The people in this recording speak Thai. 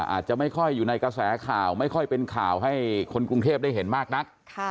อาจจะไม่ค่อยอยู่ในกระแสข่าวไม่ค่อยเป็นข่าวให้คนกรุงเทพได้เห็นมากนัก